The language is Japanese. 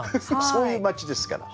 そういう町ですから。